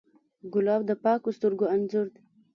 ګلاب د پاکو سترګو انځور دی.